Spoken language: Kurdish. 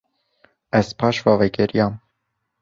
Ez paş ve vegeriyam.